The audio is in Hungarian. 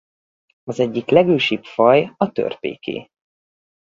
Az egyik legősibb faj a törpéké.